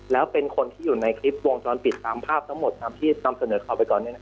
แล้วเป็นคนที่อยู่ในคลิปวงจรปิดตามภาพทั้งหมดตามที่นำเสนอข่าวไปตอนนี้